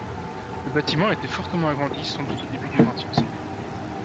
Le bâtiment a été fortement agrandi, sans doute au début du vingtième siècle.